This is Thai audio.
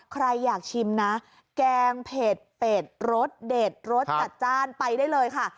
ใครอยากชิมนะแกงเผ็ดเป็ดรสเด็ดรสจัดจ้านไปได้เลยค่ะ